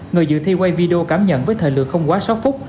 người dự thi quay video cảm nhận với thời lượng không quá sáu phút